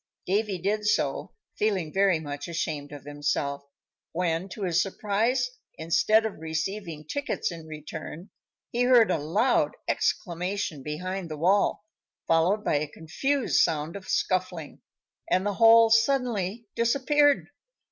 Davy did so, feeling very much ashamed of himself, when, to his surprise, instead of receiving tickets in return, he heard a loud exclamation behind the wall, followed by a confused sound of scuffling, and the hole suddenly disappeared.